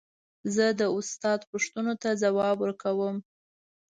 زه د استاد پوښتنو ته ځواب ورکوم.